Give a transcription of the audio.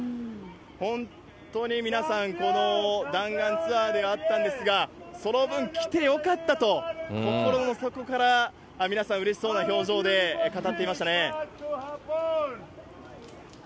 本当に皆さん、この弾丸ツアーではあったんですが、その分、来てよかったと、心の底から皆さん、うれしそうな表情で語っていましたね。